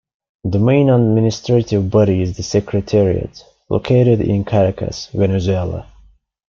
The main administrative body is the secretariat, located in Caracas, Venezuela.